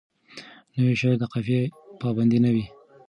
نوی شعر د قافیه پابند نه وي.